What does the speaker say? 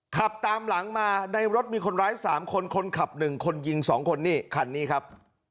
ขับตามหลังมาในรถมีคนร้าย๓คนคนขับ๑คนยิง๒คนนี่คันนี้ครับ